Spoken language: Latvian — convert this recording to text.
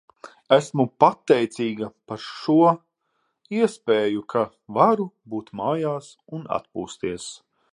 Esmu pateicīga par šo iespēju, ka varu būt mājās un atpūsties.